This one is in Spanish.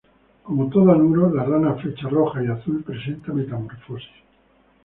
Como todo anuro, la rana flecha roja y azul presenta metamorfosis.